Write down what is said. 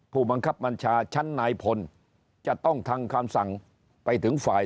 ผู้บังคับบัญชาชั้นนายพลจะต้องทำคำสั่งไปถึงฝ่าย